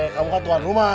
kamu kan tuan rumah